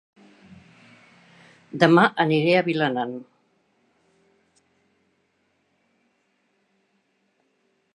Dema aniré a Vilanant